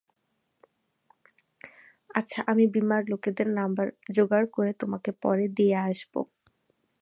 আচ্ছা, আমি বীমার লোকেদের নাম্বার জোগাড় করে তোমাকে পরে দিয়ে আসবো!